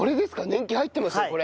年季入ってますよこれ。